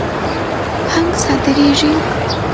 هنګ صادریږي.